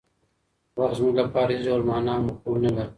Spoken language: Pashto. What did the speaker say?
وخت زموږ لپاره هېڅ ډول مانا او مفهوم نه لري.